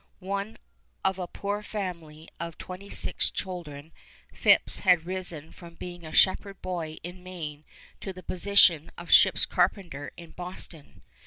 One of a poor family of twenty six children, Phips had risen from being a shepherd boy in Maine to the position of ship's carpenter in Boston.